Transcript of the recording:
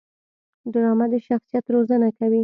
ډرامه د شخصیت روزنه کوي